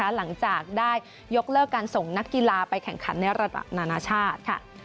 หลังจากได้ยกเลิกการส่งนักกีฬาไปแข่งขันในระดับนานาชาติ